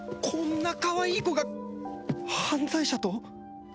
こんなかわいい子が犯罪者と？